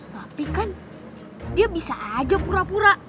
tapi kan dia bisa aja pura pura